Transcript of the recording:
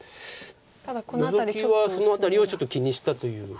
ノゾキはその辺りをちょっと気にしたという。